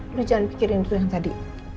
udah jangan pikirin itu yang tadi